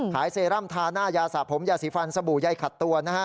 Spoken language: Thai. เซรั่มทาหน้ายาสระผมยาสีฟันสบู่ใยขัดตัวนะฮะ